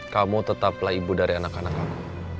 kamu tetaplah ibu dari anak anak kamu